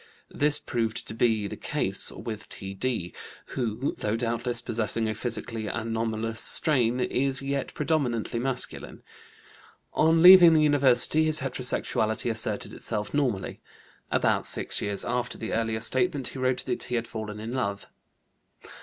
This proved to be! the case with T.D., who, though doubtless possessing a psychically anomalous strain, is yet predominantly masculine. On leaving the university his heterosexuality asserted itself normally. About six years after the earlier statement, he wrote that he had fallen in love.